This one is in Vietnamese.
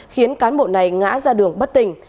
khiến cán bộ này ngã ra đường bất tình